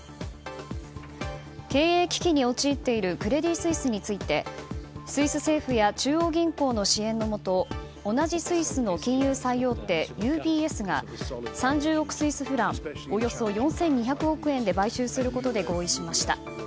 経営危機に陥っているクレディ・スイスについてスイス政府や中央銀行の支援のもと同じスイスの金融最大手ＵＢＳが３０億スイスフランおよそ４２００億円で買収することで合意しました。